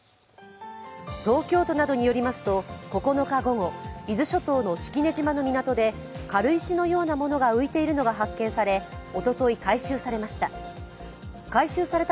東京都などによりますと９日午後伊豆諸島の式根島の港で軽石のようなものが浮いているのが発見され、おととい、回収されました。